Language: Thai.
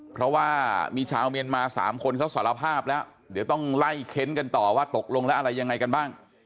เพราะว่ามีชาวเมียนมา๓คนเขาสารภาพแล้วเดี๋ยวต้องไล่เค้นกันต่อว่าตกลงแล้วอะไรยังไงกันบ้าง